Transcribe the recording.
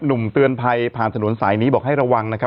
หนุ่มเตือนภัยผ่านถนนสายนี้บอกให้ระวังนะครับ